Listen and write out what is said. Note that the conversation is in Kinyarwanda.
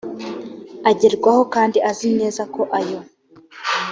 agerwaho kandi azi neza ko ayo